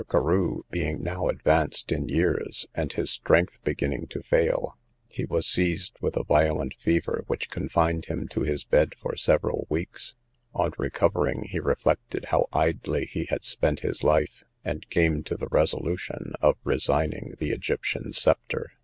Carew being now advanced in years, and his strength beginning to fail, he was seized with a violent fever, which confined him to his bed for several weeks; on recovering he reflected how idly he had spent his life, and came to the resolution of resigning the Egyptian sceptre.